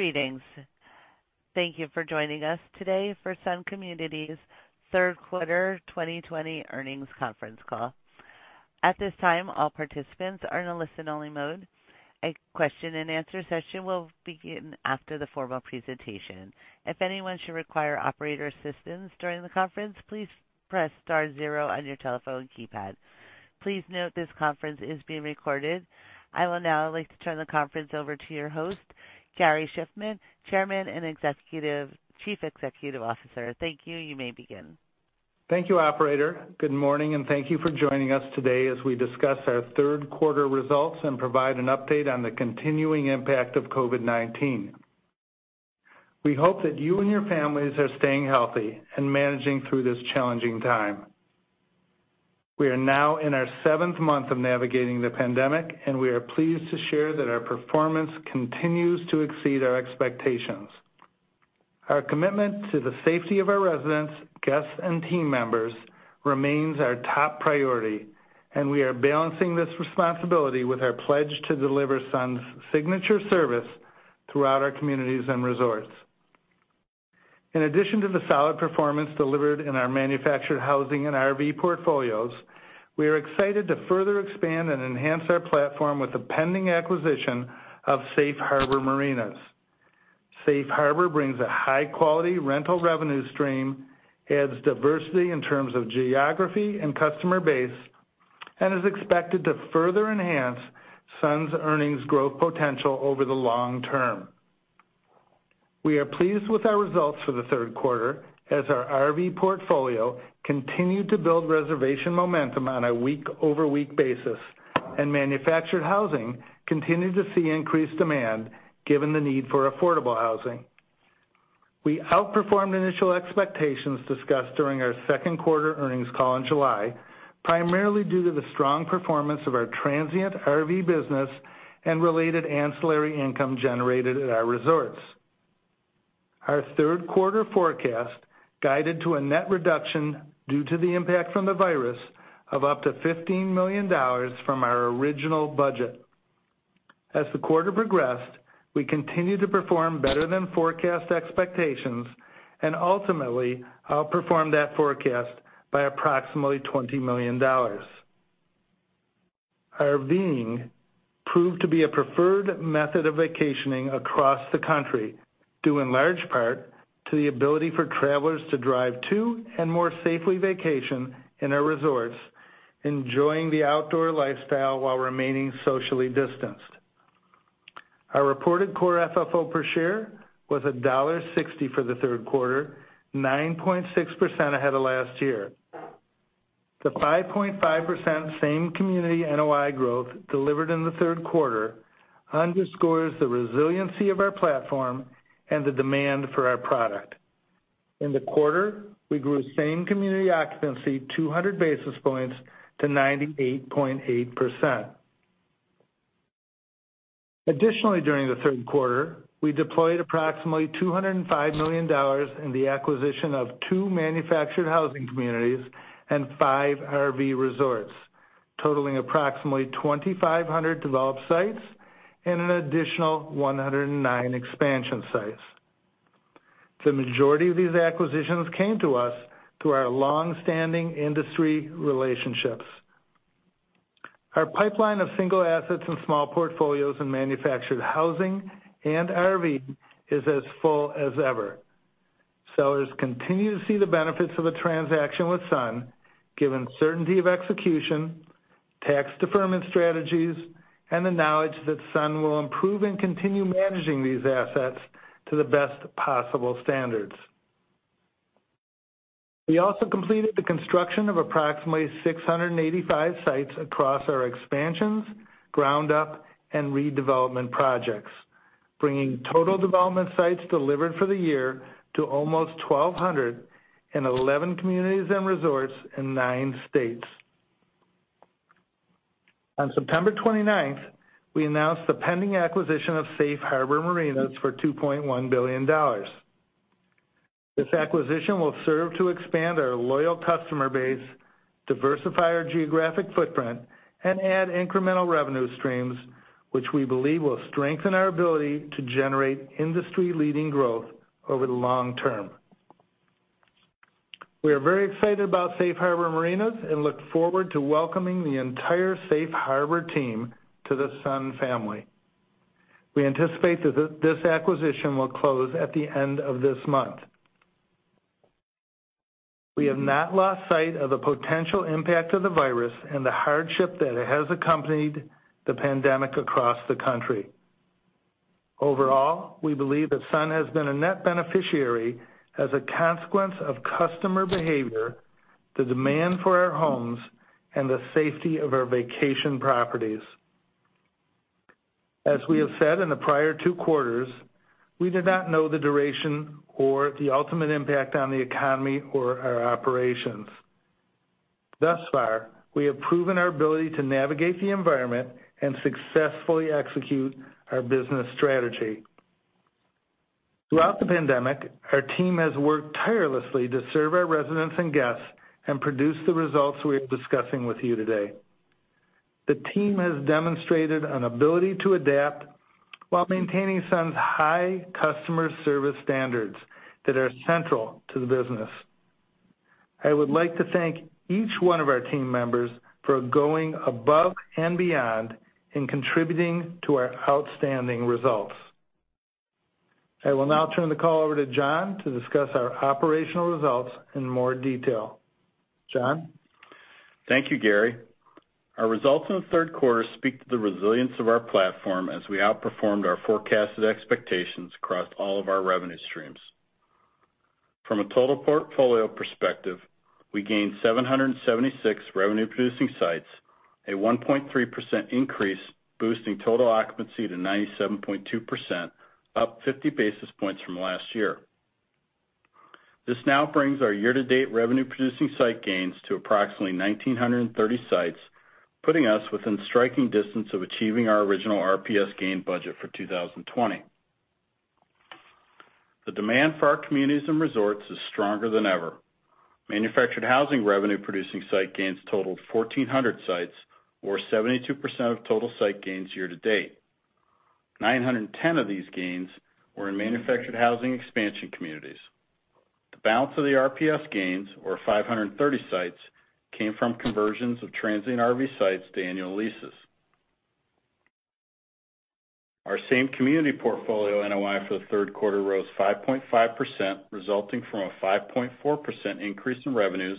Greetings. Thank you for joining us today for Sun Communities' Third Quarter 2020 Earnings Conference Call. At this time, all participants are in a listen-only mode. A question and answer session will begin after the formal presentation. If anyone should require operator assistance during the conference, please press star zero on your telephone keypad. Please note this conference is being recorded. I will now like to turn the conference over to your host, Gary Shiffman, Chairman and Chief Executive Officer. Thank you. You may begin. Thank you, operator. Good morning, and thank you for joining us today as we discuss our third quarter results and provide an update on the continuing impact of COVID-19. We hope that you and your families are staying healthy and managing through this challenging time. We are now in our seventh month of navigating the pandemic, and we are pleased to share that our performance continues to exceed our expectations. Our commitment to the safety of our residents, guests, and team members remains our top priority, and we are balancing this responsibility with our pledge to deliver Sun's signature service throughout our communities and resorts. In addition to the solid performance delivered in our manufactured housing and RV portfolios, we are excited to further expand and enhance our platform with the pending acquisition of Safe Harbor Marinas. Safe Harbor brings a high-quality rental revenue stream, adds diversity in terms of geography and customer base, and is expected to further enhance Sun's earnings growth potential over the long term. We are pleased with our results for the third quarter, as our RV portfolio continued to build reservation momentum on a week-over-week basis, and manufactured housing continued to see increased demand given the need for affordable housing. We outperformed initial expectations discussed during our second quarter earnings call in July, primarily due to the strong performance of our transient RV business and related ancillary income generated at our resorts. Our third quarter forecast guided to a net reduction due to the impact from the virus of up to $15 million from our original budget. As the quarter progressed, we continued to perform better than forecast expectations and ultimately outperformed that forecast by approximately $20 million. RVing proved to be a preferred method of vacationing across the country, due in large part to the ability for travelers to drive to and more safely vacation in our resorts, enjoying the outdoor lifestyle while remaining socially distanced. Our reported core FFO per share was $1.60 for the third quarter, 9.6% ahead of last year. The 5.5% same-community NOI growth delivered in the third quarter underscores the resiliency of our platform and the demand for our product. In the quarter, we grew same-community occupancy 200 basis points to 98.8%. Additionally, during the third quarter, we deployed approximately $205 million in the acquisition of two manufactured housing communities and five RV resorts, totaling approximately 2,500 developed sites and an additional 109 expansion sites. The majority of these acquisitions came to us through our longstanding industry relationships. Our pipeline of single assets and small portfolios in manufactured housing and RV is as full as ever. Sellers continue to see the benefits of a transaction with Sun, given certainty of execution, tax deferment strategies, and the knowledge that Sun will improve and continue managing these assets to the best possible standards. We also completed the construction of approximately 685 sites across our expansions, ground-up, and redevelopment projects, bringing total development sites delivered for the year to almost 1,200 in 11 communities and resorts in nine states. On September 29th, we announced the pending acquisition of Safe Harbor Marinas for $2.1 billion. This acquisition will serve to expand our loyal customer base, diversify our geographic footprint, and add incremental revenue streams, which we believe will strengthen our ability to generate industry-leading growth over the long term. We are very excited about Safe Harbor Marinas and look forward to welcoming the entire Safe Harbor team to the Sun family. We anticipate that this acquisition will close at the end of this month. We have not lost sight of the potential impact of the virus and the hardship that has accompanied the pandemic across the country. Overall, we believe that Sun has been a net beneficiary as a consequence of customer behavior, the demand for our homes, and the safety of our vacation properties. As we have said in the prior two quarters, we do not know the duration or the ultimate impact on the economy or our operations. Thus far, we have proven our ability to navigate the environment and successfully execute our business strategy. Throughout the pandemic, our team has worked tirelessly to serve our residents and guests and produce the results we are discussing with you today. The team has demonstrated an ability to adapt while maintaining Sun's high customer service standards that are central to the business. I would like to thank each one of our team members for going above and beyond in contributing to our outstanding results. I will now turn the call over to John to discuss our operational results in more detail. John? Thank you, Gary. Our results in the third quarter speak to the resilience of our platform as we outperformed our forecasted expectations across all of our revenue streams. From a total portfolio perspective, we gained 776 revenue producing sites, a 1.3% increase, boosting total occupancy to 97.2%, up 50 basis points from last year. This now brings our year-to-date revenue producing site gains to approximately 1,930 sites, putting us within striking distance of achieving our original RPS gain budget for 2020. The demand for our communities and resorts is stronger than ever. Manufactured housing revenue producing site gains totaled 1,400 sites, or 72% of total site gains year to date. 910 of these gains were in manufactured housing expansion communities. The balance of the RPS gains, or 530 sites, came from conversions of transient RV sites to annual leases. Our same community portfolio NOI for the third quarter rose 5.5%, resulting from a 5.4% increase in revenues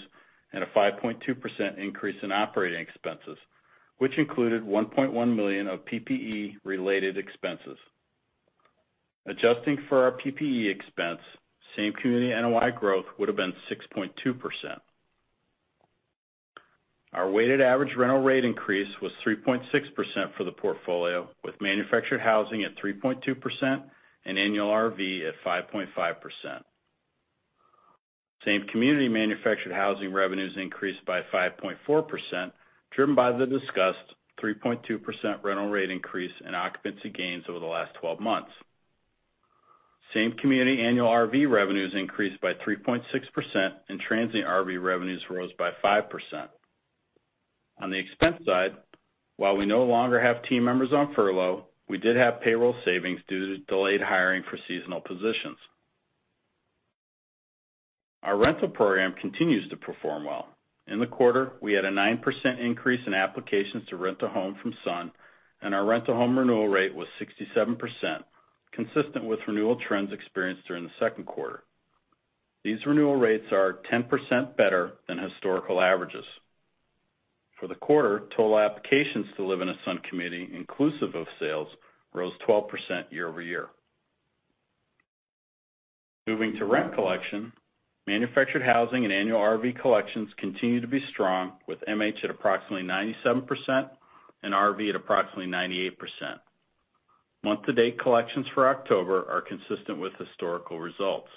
and a 5.2% increase in operating expenses, which included $1.1 million of PPE related expenses. Adjusting for our PPE expense, same community NOI growth would've been 6.2%. Our weighted average rental rate increase was 3.6% for the portfolio, with manufactured housing at 3.2% and annual RV at 5.5%. Same community manufactured housing revenues increased by 5.4%, driven by the discussed 3.2% rental rate increase and occupancy gains over the last 12 months. Same community annual RV revenues increased by 3.6%, and transient RV revenues rose by 5%. On the expense side, while we no longer have team members on furlough, we did have payroll savings due to delayed hiring for seasonal positions. Our rental program continues to perform well. In the quarter, we had a 9% increase in applications to rent a home from Sun, and our rental home renewal rate was 67%, consistent with renewal trends experienced during the second quarter. These renewal rates are 10% better than historical averages. For the quarter, total applications to live in a Sun community, inclusive of sales, rose 12% year-over-year. Moving to rent collection, manufactured housing and annual RV collections continue to be strong with MH at approximately 97% and RV at approximately 98%. Month to date collections for October are consistent with historical results.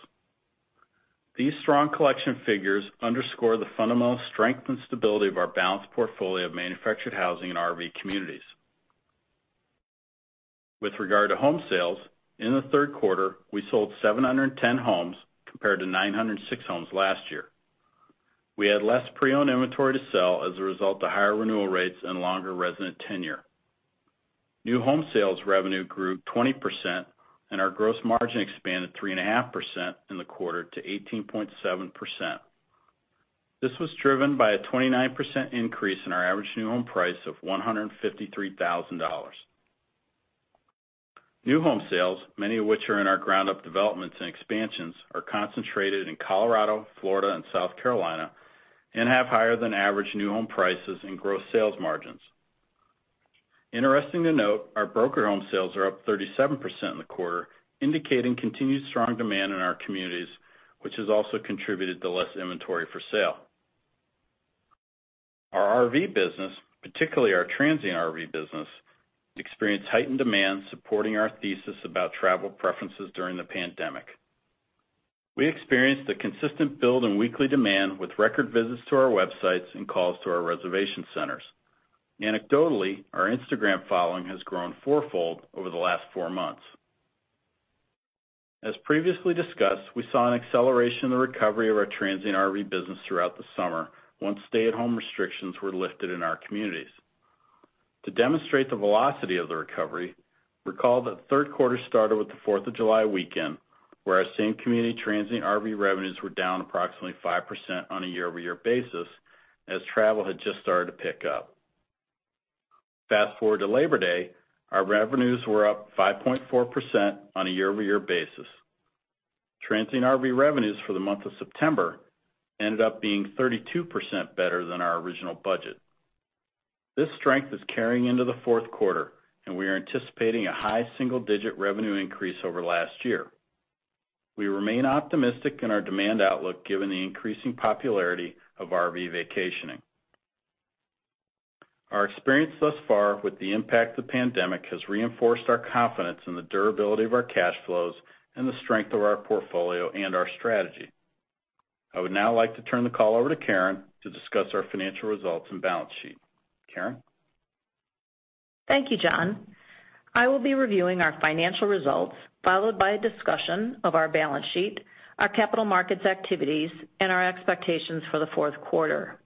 These strong collection figures underscore the fundamental strength and stability of our balanced portfolio of manufactured housing and RV communities. With regard to home sales, in the third quarter, we sold 710 homes compared to 906 homes last year. We had less pre-owned inventory to sell as a result of higher renewal rates and longer resident tenure. New home sales revenue grew 20%, and our gross margin expanded 3.5% in the quarter to 18.7%. This was driven by a 29% increase in our average new home price of $153,000. New home sales, many of which are in our ground-up developments and expansions, are concentrated in Colorado, Florida, and South Carolina, and have higher than average new home prices and gross sales margins. Interesting to note, our broker home sales are up 37% in the quarter, indicating continued strong demand in our communities, which has also contributed to less inventory for sale. Our RV business, particularly our transient RV business, experienced heightened demand supporting our thesis about travel preferences during the pandemic. We experienced a consistent build in weekly demand with record visits to our websites and calls to our reservation centers. Anecdotally, our Instagram following has grown four-fold over the last four months. As previously discussed, we saw an acceleration in the recovery of our transient RV business throughout the summer once stay-at-home restrictions were lifted in our communities. To demonstrate the velocity of the recovery, recall that third quarter started with the Fourth of July weekend, where our same community transient RV revenues were down approximately 5% on a year-over-year basis as travel had just started to pick up. Fast-forward to Labor Day, our revenues were up 5.4% on a year-over-year basis. Transient RV revenues for the month of September ended up being 32% better than our original budget. This strength is carrying into the fourth quarter, we are anticipating a high single-digit revenue increase over last year. We remain optimistic in our demand outlook given the increasing popularity of RV vacationing. Our experience thus far with the impact of the pandemic has reinforced our confidence in the durability of our cash flows and the strength of our portfolio and our strategy. I would now like to turn the call over to Karen to discuss our financial results and balance sheet. Karen? Thank you, John. I will be reviewing our financial results, followed by a discussion of our balance sheet, our capital markets activities, and our expectations for the fourth quarter.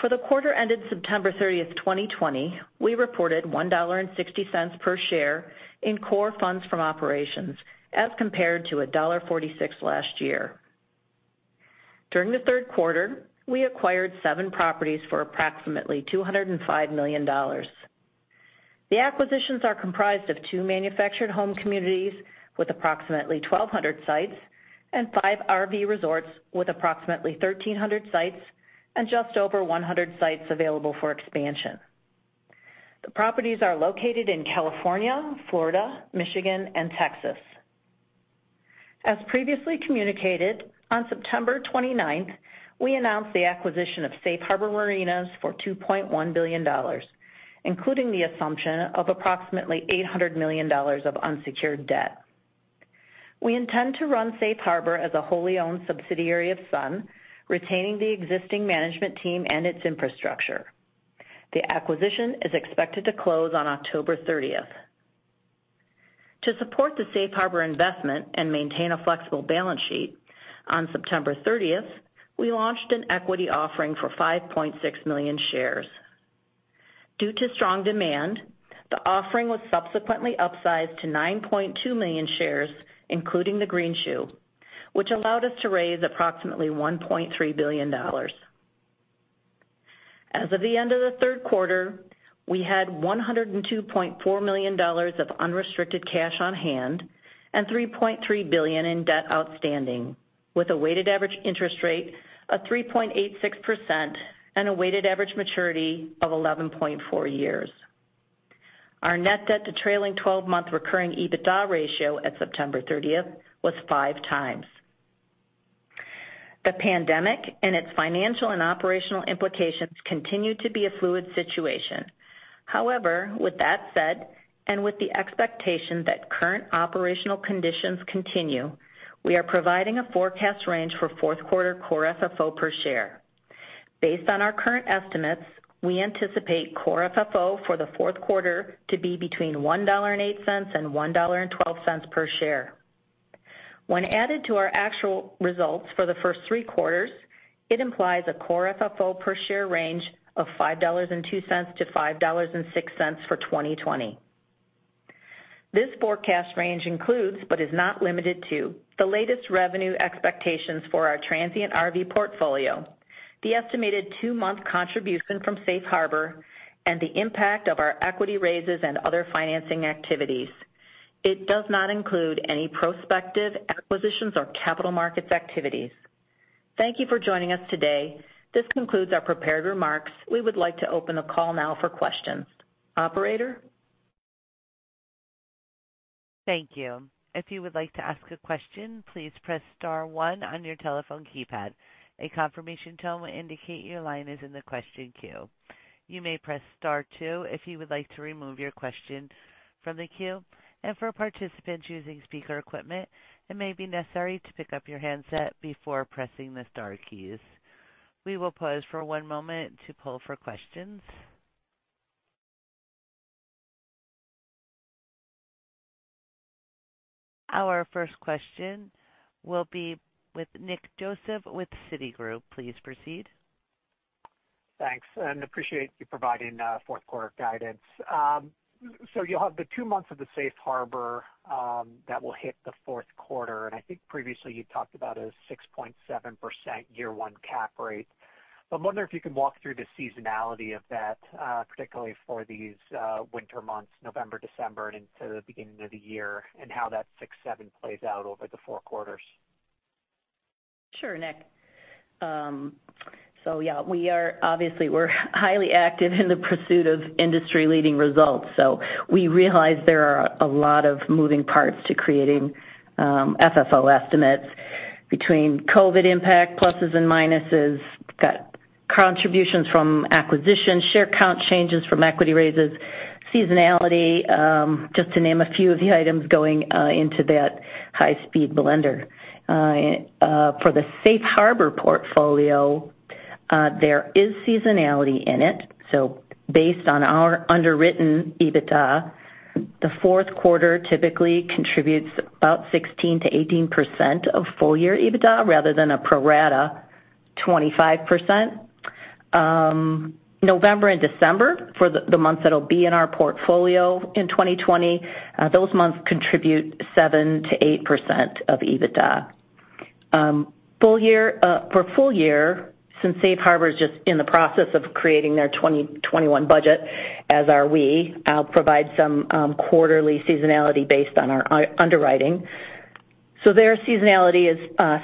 For the quarter ended September 30th, 2020, we reported $1.60 per share in core funds from operations as compared to $1.46 last year. During the third quarter, we acquired seven properties for approximately $205 million. The acquisitions are comprised of two manufactured housing communities with approximately 1,200 sites and five RV resorts with approximately 1,300 sites and just over 100 sites available for expansion. The properties are located in California, Florida, Michigan, and Texas. As previously communicated, on September 29th, we announced the acquisition of Safe Harbor Marinas for $2.1 billion, including the assumption of approximately $800 million of unsecured debt. We intend to run Safe Harbor as a wholly owned subsidiary of Sun, retaining the existing management team and its infrastructure. The acquisition is expected to close on October 30th. To support the Safe Harbor investment and maintain a flexible balance sheet, on September 30th, we launched an equity offering for 5.6 million shares. Due to strong demand, the offering was subsequently upsized to 9.2 million shares, including the greenshoe, which allowed us to raise approximately $1.3 billion. As of the end of the third quarter, we had $102.4 million of unrestricted cash on hand and $3.3 billion in debt outstanding, with a weighted average interest rate of 3.86% and a weighted average maturity of 11.4 years. Our net debt to trailing 12-month recurring EBITDA ratio at September 30th was 5x. The pandemic and its financial and operational implications continue to be a fluid situation. However, with that said, and with the expectation that current operational conditions continue, we are providing a forecast range for fourth quarter core FFO per share. Based on our current estimates, we anticipate core FFO for the fourth quarter to be between $1.08 and $1.12 per share. When added to our actual results for the first three quarters, it implies a core FFO per share range of $5.02-$5.06 for 2020. This forecast range includes, but is not limited to, the latest revenue expectations for our transient RV portfolio, the estimated two-month contribution from Safe Harbor, and the impact of our equity raises and other financing activities. It does not include any prospective acquisitions or capital markets activities. Thank you for joining us today. This concludes our prepared remarks. We would like to open the call now for questions. Operator? Thank you. If you would like to ask a question, please press star one on your telephone keypad, a confirmation tone will indicate your line is in the question queue. You may press star two if you would like to remove your question from the queue, and for participants using speaker equipment, it may be necessary to pick up your handset before pressing the star keys. We will pause for one moment to poll for questions. Our first question will be with Nick Joseph with Citigroup. Please proceed. Thanks, appreciate you providing fourth quarter guidance. You'll have the two months of the Safe Harbor that will hit the fourth quarter, and I think previously you talked about a 6.7% year-one cap rate. I'm wondering if you can walk through the seasonality of that, particularly for these winter months, November, December, and into the beginning of the year, and how that 6.7% plays out over the four quarters. Sure, Nick. Yeah, obviously, we're highly active in the pursuit of industry-leading results, so we realize there are a lot of moving parts to creating FFO estimates between COVID impact, pluses and minuses, got contributions from acquisitions, share count changes from equity raises, seasonality, just to name a few of the items going into that high-speed blender. For the Safe Harbor portfolio, there is seasonality in it. Based on our underwritten EBITDA, the fourth quarter typically contributes about 16%-18% of full-year EBITDA rather than a pro rata 25%. November and December, for the months that'll be in our portfolio in 2020, those months contribute 7%-8% of EBITDA. For full year, since Safe Harbor is just in the process of creating their 2021 budget, as are we, I'll provide some quarterly seasonality based on our underwriting. Their seasonality is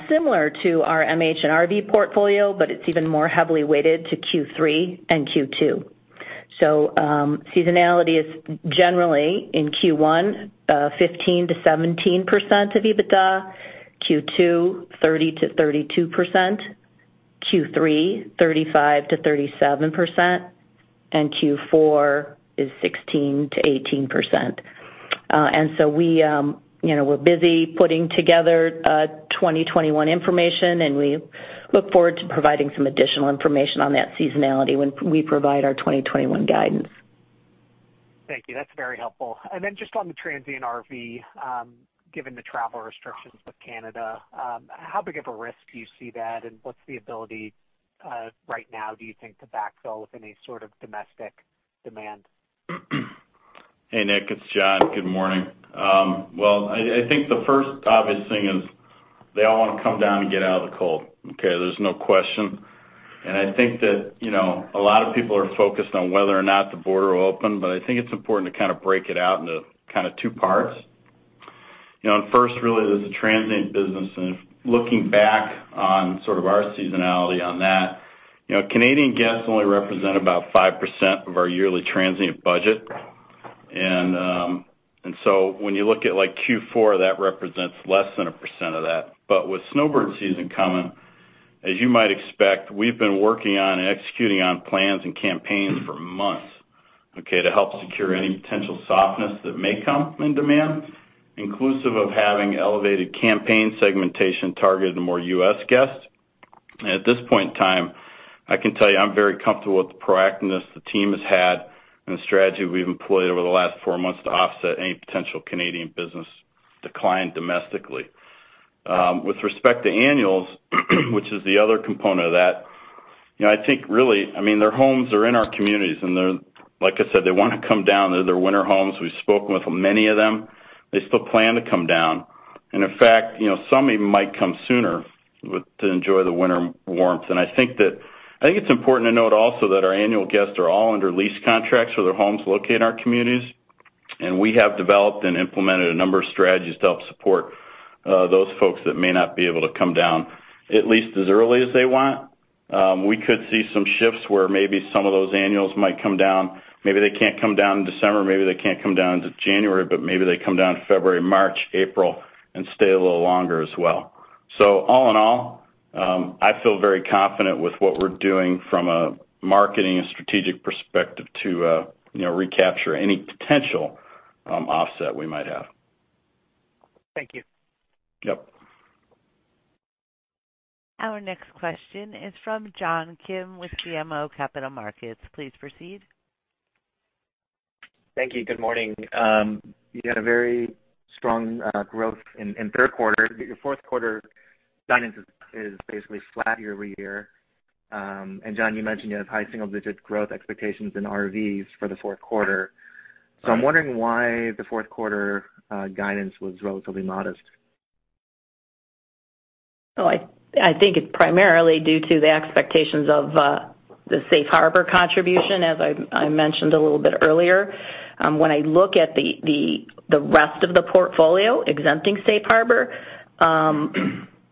similar to our MH and RV portfolio, but it's even more heavily weighted to Q3 and Q2. Seasonality is generally in Q1, 15%-17% of EBITDA, Q2 30%-32%, Q3 35%-37%, and Q4 is 16%-18%. We're busy putting together 2021 information, and we look forward to providing some additional information on that seasonality when we provide our 2021 guidance. Thank you. That's very helpful. Then just on the transient RV, given the travel restrictions with Canada, how big of a risk do you see that, and what's the ability right now, do you think, to backfill with any sort of domestic demand? Hey, Nick, it's John. Good morning. Well, I think the first obvious thing is they all want to come down and get out of the cold. Okay. There's no question. I think that a lot of people are focused on whether or not the border will open. I think it's important to break it out into two parts. First, really, there's the transient business. Looking back on our seasonality on that, Canadian guests only represent about 5% of our yearly transient budget. When you look at Q4, that represents less than 1% of that. With snowbird season coming, as you might expect, we've been working on and executing on plans and campaigns for months, okay, to help secure any potential softness that may come in demand, inclusive of having elevated campaign segmentation targeted to more U.S. guests. At this point in time, I can tell you I'm very comfortable with the proactiveness the team has had and the strategy we've employed over the last four months to offset any potential Canadian business decline domestically. With respect to annuals, which is the other component of that, I think really, their homes are in our communities, and like I said, they want to come down. They're their winter homes. We've spoken with many of them. They still plan to come down, and in fact, some even might come sooner to enjoy the winter warmth. I think it's important to note also that our annual guests are all under lease contracts for their homes located in our communities, and we have developed and implemented a number of strategies to help support those folks that may not be able to come down at least as early as they want. We could see some shifts where maybe some of those annuals might come down. Maybe they can't come down in December, maybe they can't come down until January, but maybe they come down February, March, April and stay a little longer as well. All in all, I feel very confident with what we're doing from a marketing and strategic perspective to recapture any potential offset we might have. Thank you. Yep. Our next question is from John Kim with BMO Capital Markets. Please proceed. Thank you. Good morning. You had a very strong growth in third quarter, but your fourth quarter guidance is basically flat year-over-year. John, you mentioned you have high single-digit growth expectations in RVs for the fourth quarter. I'm wondering why the fourth quarter guidance was relatively modest? I think it's primarily due to the expectations of the Safe Harbor contribution, as I mentioned a little bit earlier. When I look at the rest of the portfolio, exempting Safe Harbor,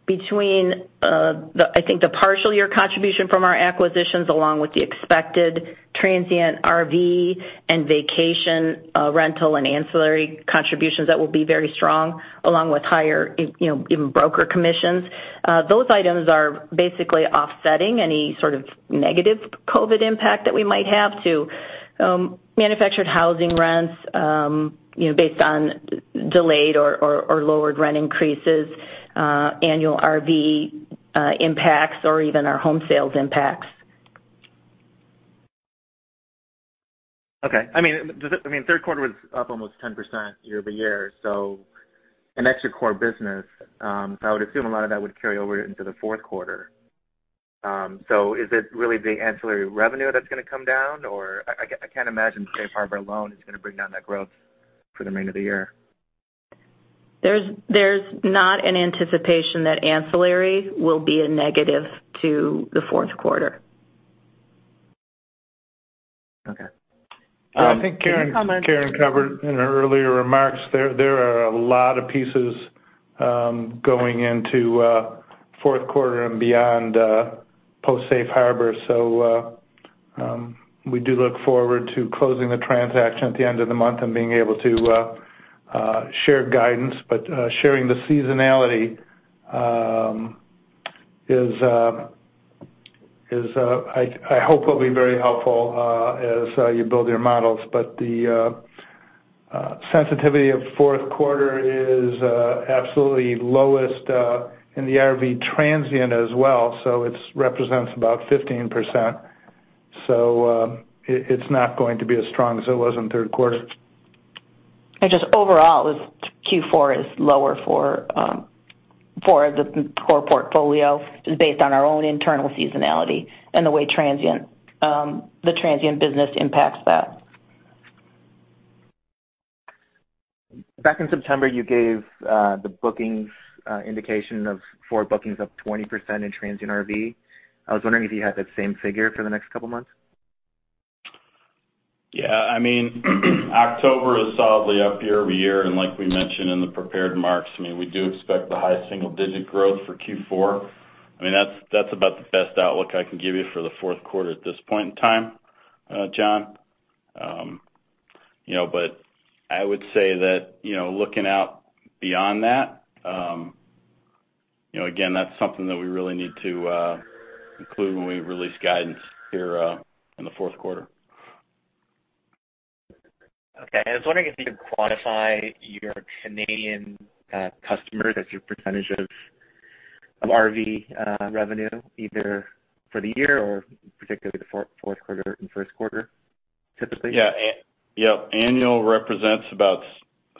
between, I think, the partial year contribution from our acquisitions, along with the expected transient RV and vacation rental and ancillary contributions that will be very strong, along with higher even broker commissions. Those items are basically offsetting any sort of negative COVID impact that we might have to manufactured housing rents based on delayed or lowered rent increases, annual RV impacts, or even our home sales impacts. Okay. Third quarter was up almost 10% year-over-year, and that's your core business. I would assume a lot of that would carry over into the fourth quarter. Is it really the ancillary revenue that's going to come down? I can't imagine Safe Harbor alone is going to bring down that growth for the remainder of the year. There's not an anticipation that ancillary will be a negative to the fourth quarter. Okay. I think Karen covered in her earlier remarks, there are a lot of pieces going into fourth quarter and beyond post Safe Harbor. We do look forward to closing the transaction at the end of the month and being able to share guidance. Sharing the seasonality I hope will be very helpful as you build your models. The sensitivity of fourth quarter is absolutely lowest in the RV transient as well. It represents about 15%. It's not going to be as strong as it was in third quarter. Just overall, Q4 is lower for the core portfolio based on our own internal seasonality and the way the transient business impacts that. Back in September, you gave the bookings indication of forward bookings up 20% in transient RV. I was wondering if you had that same figure for the next couple of months. Yeah. October is solidly up year-over-year, like we mentioned in the prepared remarks, we do expect the high single-digit growth for Q4. That's about the best outlook I can give you for the fourth quarter at this point in time, John. I would say that looking out beyond that That's something that we really need to include when we release guidance here in the fourth quarter. Okay. I was wondering if you could quantify your Canadian customers as your percentage of RV revenue, either for the year or particularly the fourth quarter and first quarter, typically. Yeah. Annual represents about,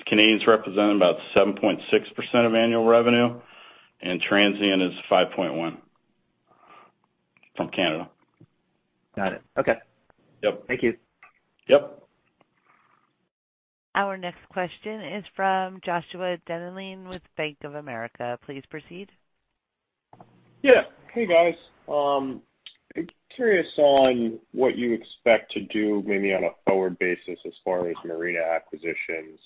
Canadians represent about 7.6% of annual revenue, and transient is 5.1% from Canada. Got it. Okay. Yep. Thank you. Yep. Our next question is from Joshua Dennerlein with Bank of America. Please proceed. Yeah. Hey, guys. Curious on what you expect to do maybe on a forward basis as far as marina acquisitions.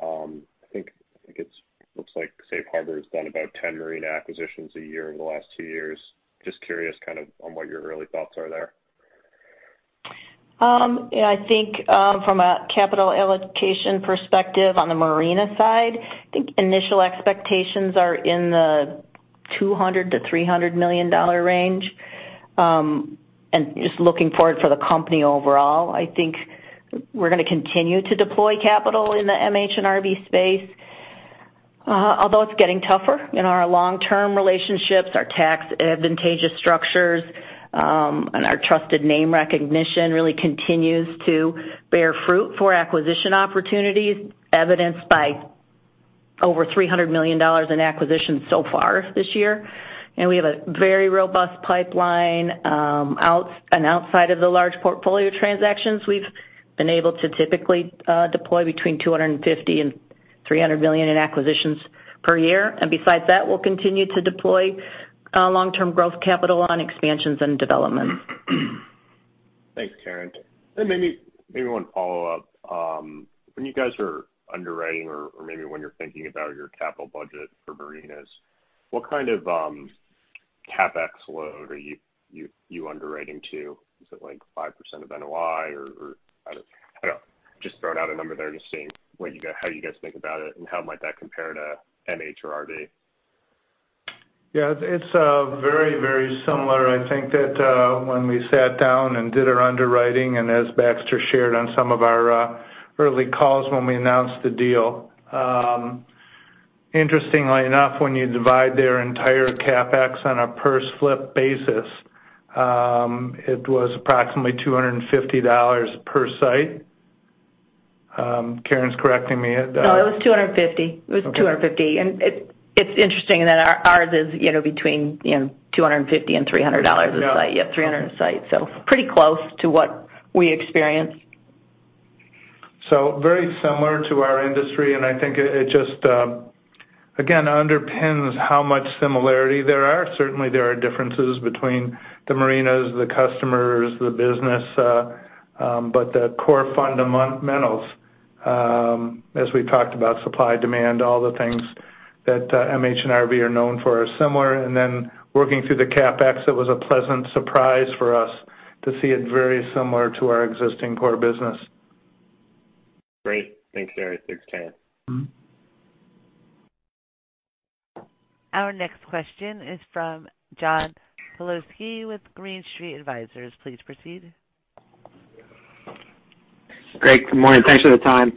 I think it looks like Safe Harbor has done about 10 marina acquisitions a year over the last two years. Just curious kind of on what your early thoughts are there. Yeah, I think from a capital allocation perspective on the marina side, I think initial expectations are in the $200 million-$300 million range. Just looking forward for the company overall, I think we're going to continue to deploy capital in the MH and RV space. Although it's getting tougher in our long-term relationships, our tax advantageous structures, and our trusted name recognition really continues to bear fruit for acquisition opportunities, evidenced by over $300 million in acquisitions so far this year. We have a very robust pipeline. Outside of the large portfolio transactions, we've been able to typically deploy between $250 million-$300 million in acquisitions per year. Besides that, we'll continue to deploy long-term growth capital on expansions and developments. Thanks, Karen. Maybe one follow-up. When you guys are underwriting or maybe when you're thinking about your capital budget for marinas, what kind of CapEx load are you underwriting to? Is it like 5% of NOI or, I don't know, just throwing out a number there and just seeing how you guys think about it and how might that compare to MH or RV? Yeah. It's very very similar. I think that when we sat down and did our underwriting and as Baxter shared on some of our early calls when we announced the deal, interestingly enough, when you divide their entire CapEx on a per-slip basis, it was approximately $250 per site. Karen's correcting me at. No, it was $250. Okay. It was $250. It's interesting that ours is between $250 and $300 a site. Yep, $300 a site. Pretty close to what we experience. Very similar to our industry, and I think it just, again, underpins how much similarity there are. Certainly, there are differences between the marinas, the customers, the business, but the core fundamentals, as we've talked about, supply, demand, all the things that MH and RV are known for are similar. Working through the CapEx, it was a pleasant surprise for us to see it very similar to our existing core business. Great. Thanks, Gary. Thanks, Karen. Our next question is from John Pawlowski with Green Street Advisors. Please proceed. Great. Good morning. Thanks for the time.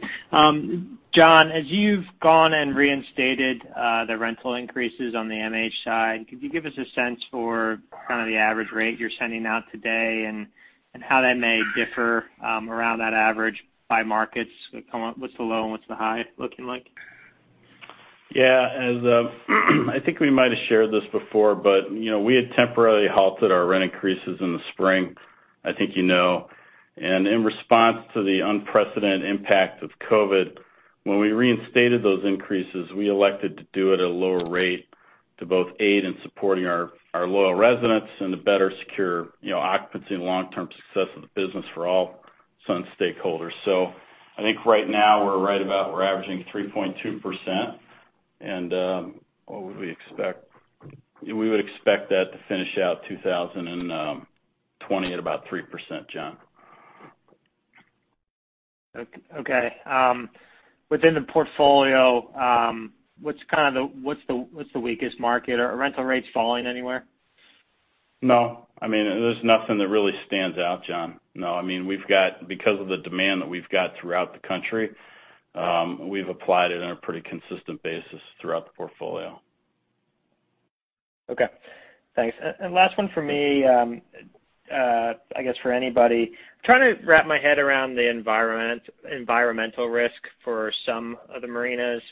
John, as you've gone and reinstated the rental increases on the MH side, could you give us a sense for kind of the average rate you're sending out today and how that may differ around that average by markets? What's the low and what's the high looking like? Yeah. I think we might have shared this before, but we had temporarily halted our rent increases in the spring, I think you know. In response to the unprecedented impact of COVID, when we reinstated those increases, we elected to do it at a lower rate to both aid in supporting our loyal residents and to better secure occupancy and long-term success of the business for all Sun stakeholders. I think right now we're averaging 3.2%. What would we expect? We would expect that to finish out 2020 at about 3%, John. Okay. Within the portfolio, what's the weakest market? Are rental rates falling anywhere? No. There's nothing that really stands out, John. No. Because of the demand that we've got throughout the country, we've applied it on a pretty consistent basis throughout the portfolio. Okay. Thanks. Last one for me, I guess for anybody. Trying to wrap my head around the environmental risk for some of the marinas,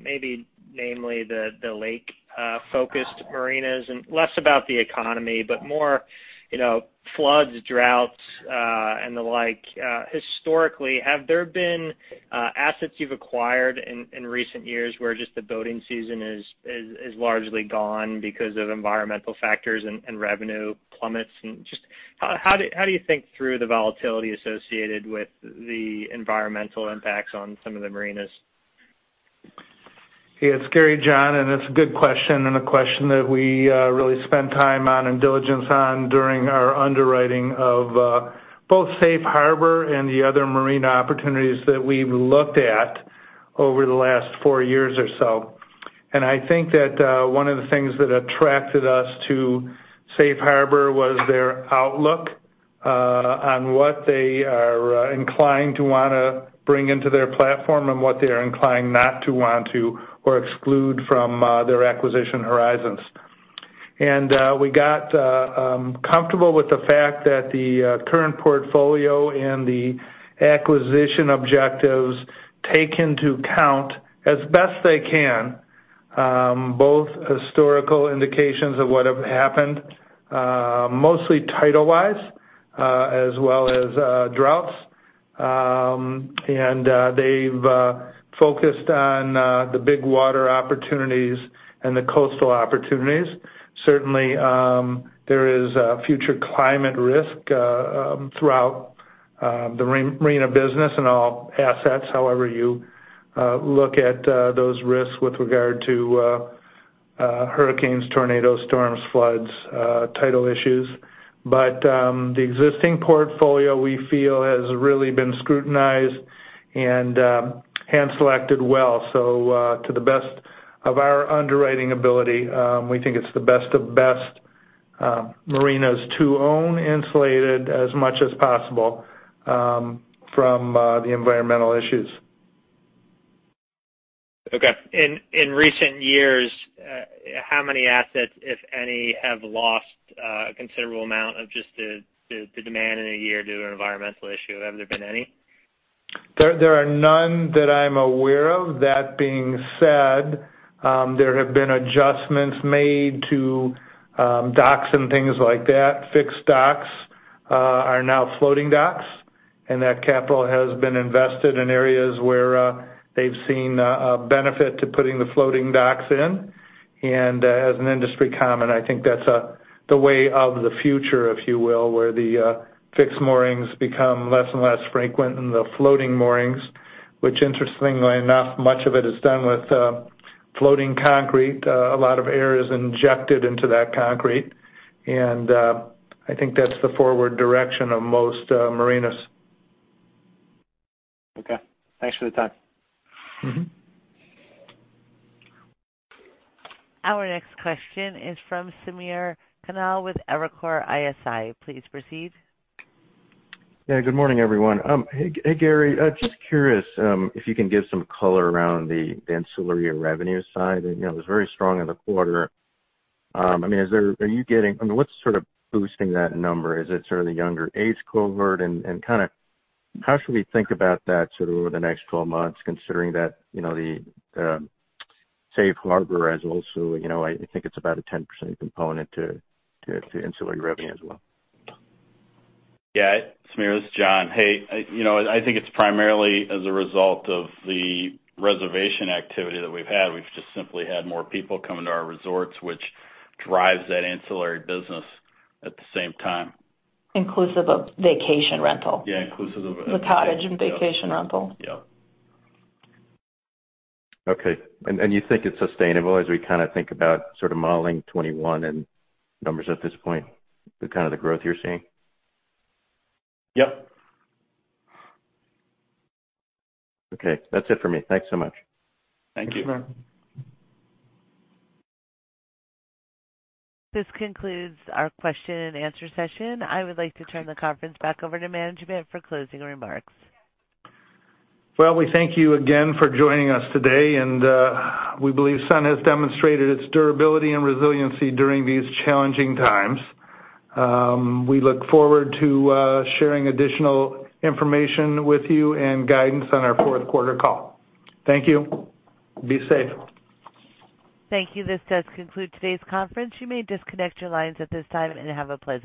maybe namely the lake-focused marinas, and less about the economy, but more floods, droughts, and the like. Historically, have there been assets you've acquired in recent years where just the boating season is largely gone because of environmental factors and revenue plummets? Just how do you think through the volatility associated with the environmental impacts on some of the marinas? Hey, it's Gary, John. It's a good question and a question that we really spent time on and diligence on during our underwriting of both Safe Harbor and the other marina opportunities that we've looked at over the last four years or so. I think that one of the things that attracted us to Safe Harbor was their outlook on what they are inclined to want to bring into their platform and what they are inclined not to want to or exclude from their acquisition horizons. We got comfortable with the fact that the current portfolio and the acquisition objectives take into account, as best they can, both historical indications of what have happened, mostly tidal wise, as well as droughts. They've focused on the big water opportunities and the coastal opportunities. Certainly, there is future climate risk throughout the marina business and all assets, however you look at those risks with regard to hurricanes, tornadoes, storms, floods, tidal issues. The existing portfolio, we feel, has really been scrutinized and hand-selected well. To the best of our underwriting ability, we think it's the best of best marinas to own, insulated as much as possible from the environmental issues. Okay. In recent years, how many assets, if any, have lost a considerable amount of just the demand in a year due to an environmental issue? Have there been any? There are none that I'm aware of. That being said, there have been adjustments made to docks and things like that. Fixed docks are now floating docks, and that capital has been invested in areas where they've seen a benefit to putting the floating docks in. As an industry comment, I think that's the way of the future, if you will, where the fixed moorings become less and less frequent, and the floating moorings, which interestingly enough, much of it is done with floating concrete. A lot of air is injected into that concrete, and I think that's the forward direction of most marinas. Okay. Thanks for the time. Our next question is from Samir Khanal with Evercore ISI. Please proceed. Yeah. Good morning, everyone. Hey, Gary. Just curious if you can give some color around the ancillary revenue side. It was very strong in the quarter. I mean, is there, are you getting? What's sort of boosting that number? Is it sort of the younger age cohort? How should we think about that sort of over the next 12 months, considering that the Safe Harbor as also, I think it's about a 10% component to ancillary revenue as well. Yeah. Samir, this is John. Hey, I think it's primarily as a result of the reservation activity that we've had. We've just simply had more people coming to our resorts, which drives that ancillary business at the same time. Inclusive of vacation rental. Yeah. Inclusive of vacation rental. The cottage and vacation rental. Yeah. Okay. You think it's sustainable as we kind of think about sort of modeling 2021 and numbers at this point, the kind of the growth you're seeing? Yep. Okay. That's it for me. Thanks so much. Thank you. Thanks, Samir. This concludes our question and answer session. I would like to turn the conference back over to management for closing remarks. Well, we thank you again for joining us today, and we believe Sun has demonstrated its durability and resiliency during these challenging times. We look forward to sharing additional information with you and guidance on our fourth quarter call. Thank you. Be safe. Thank you. This does conclude today's conference. You may disconnect your lines at this time, and have a pleasant.